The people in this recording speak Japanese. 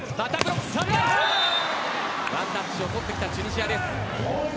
ワンタッチをとってきたチュニジアです。